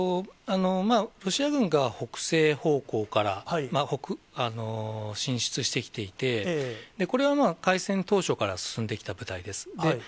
ロシア軍が北西方向から進出してきていて、これは開戦当初から進んできた部隊です。